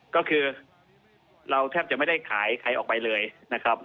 ก็คือเราแทบจะไม่ได้ขายใครออกไปเลยนะครับ